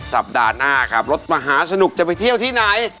สัปดาห์หน้าครับรถมหาสนุกจะไปเที่ยวที่ไหน